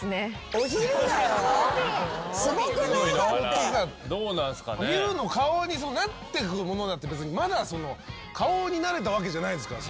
お昼の顔になってくものであってまだ顔になれたわけじゃないですから。